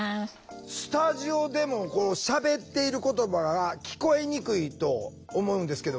スタジオでもしゃべっている言葉が聞こえにくいと思うんですけど。